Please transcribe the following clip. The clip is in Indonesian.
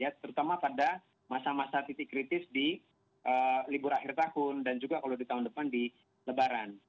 terutama pada masa masa titik kritis di libur akhir tahun dan juga kalau di tahun depan di lebaran